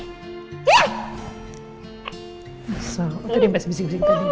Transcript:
mas am apa tadi mbak andir bisa bisik bisik tadi